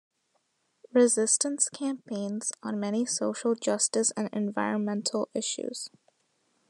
Resistance campaigns on many social justice and environmental issues.